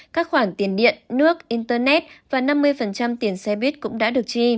các khoản tiền điện nước internet và năm mươi tiền xe buýt cũng đã được chi